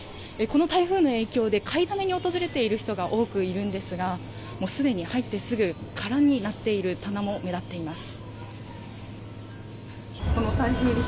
この台風の影響で、買いだめに訪れている人が多くいるんですが、もうすでに入ってすぐ、空になっている棚も目立っています。